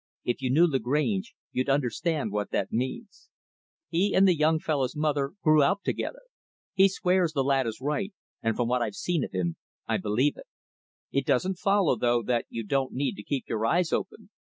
If you knew Lagrange, you'd understand what that means. He and the young fellow's mother grew up together. He swears the lad is right; and, from what I've seen of him, I believe it. It doesn't follow, though, that you don't need to keep your eyes open.